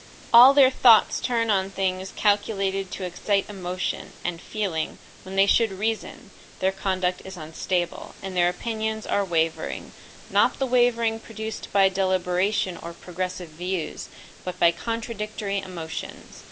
All their thoughts turn on things calculated to excite emotion; and, feeling, when they should reason, their conduct is unstable, and their opinions are wavering, not the wavering produced by deliberation or progressive views, but by contradictory emotions.